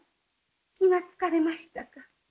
気が付かれましたか。